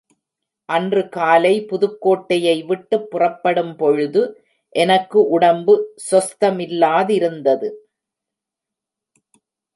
அன்று காலை புதுக்கோட்டையை விட்டுப் புறப்படும் பொழுது எனக்கு உடம்பு சொஸ்தமில்லாதிருந்தது.